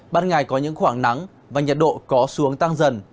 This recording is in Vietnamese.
ban ngày có những khoảng nắng và nhiệt độ có xuống tăng dần